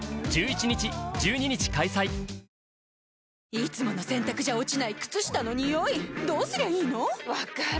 いつもの洗たくじゃ落ちない靴下のニオイどうすりゃいいの⁉分かる。